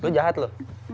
lu jahat loh